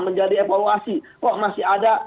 menjadi evaluasi kok masih ada